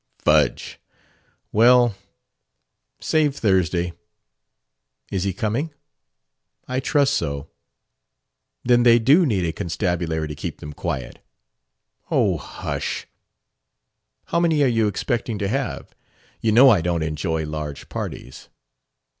"Fudge! Well, save Thursday." "Is he coming?" "I trust so." "Then they do need a constabulary to keep them quiet?" "Oh, hush!" "How many are you expecting to have? You know I don't enjoy large parties."